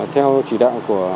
theo chỉ đạo của